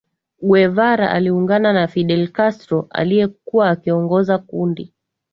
Guevara aliungana na Fidel Castro aliyekuwa akiongoza kundi